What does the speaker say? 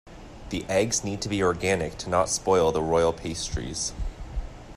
The eggs need to be organic to not spoil the royal pastries.